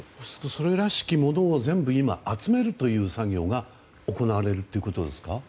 それらしきものを全部今、集めるという作業が行われるということですか。